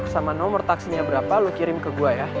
sama nomor taksinya berapa lo kirim ke gue ya